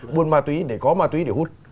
buôn ma túy để có ma túy để hút